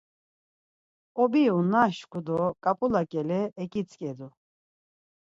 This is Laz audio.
Obiru naşku do ǩap̌ula ǩele eǩitzǩedu.